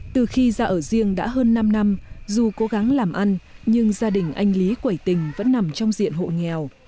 từ khi ra ở riêng đã hơn năm năm dù cố gắng làm ăn nhưng gia đình anh lý quẩy tình vẫn nằm trong diện hộ nghèo